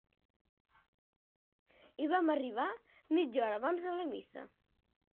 Hi vam arribar mitja hora abans de la missa.